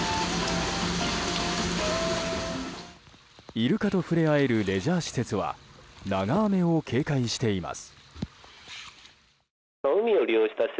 イルカと触れ合えるレジャー施設は長雨を警戒しています。